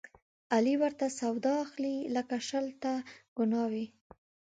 علي ورته سور اخلي، لکه شل ته کڼاوې.